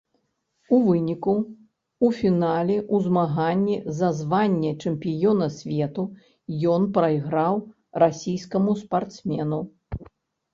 У выніку ў фінале ў змаганні за званне чэмпіёна свету ён прайграў расійскаму спартсмену.